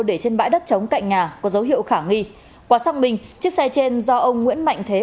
để trên bãi đất chống cạnh nhà có dấu hiệu khả nghi quả sắc bình chiếc xe trên do ông nguyễn mạnh thế